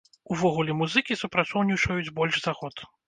Увогуле, музыкі супрацоўнічаюць больш за год.